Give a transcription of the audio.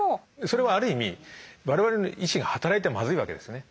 それはある意味我々の意志が働いてはまずいわけですね。